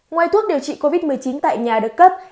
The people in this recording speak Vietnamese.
ngoài thuốc điều trị covid một mươi chín tại nhà được cấp